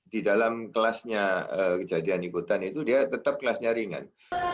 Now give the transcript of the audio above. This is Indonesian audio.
di dalam kelasnya kejadian ikutan itu dia tetap kelasnya ringan